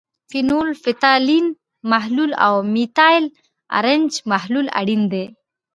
فینول فتالین محلول او میتایل ارنج محلول اړین دي.